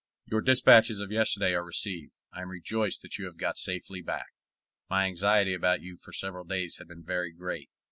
Your dispatches of yesterday are received. I am rejoiced that you have got safely back. My anxiety about you for several days had been very great.